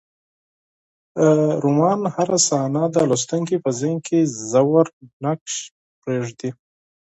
د رومان هره صحنه د لوستونکي په ذهن کې ژور نقش پرېږدي.